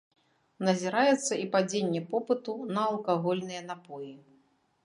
Назіраецца і падзенне попыту на алкагольныя напоі.